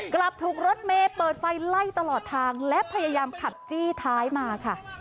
กลับถูกรถเมย์เปิดไฟไล่ตลอดทางและพยายามขับจี้ท้ายมาค่ะ